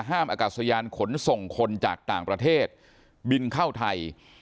อากาศยานขนส่งคนจากต่างประเทศบินเข้าไทย